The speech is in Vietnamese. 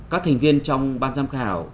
các thành viên trong ban giám khảo